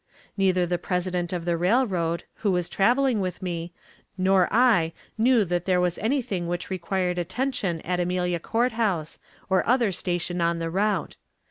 Neither the president of the railroad, who was traveling with me, nor I knew that there was anything which required attention at Amelia Court House or other station on the route.